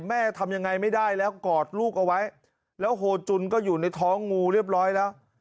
แม่ทำยังไงไม่ได้แล้วกอดลูกเอาไว้แล้วโฮจุนก็อยู่ในท้องงูเรียบร้อยแล้ว